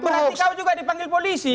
berarti kau juga dipanggil polisi